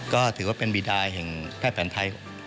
ก็ถือว่าเป็นบีดายแพร่แฝนไทย